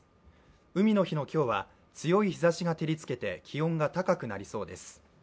海の日の今日は強い日ざしが照りつけて、気温が高くなりそうです。